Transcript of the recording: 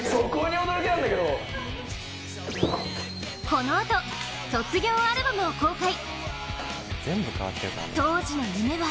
このあと、卒業アルバムを公開。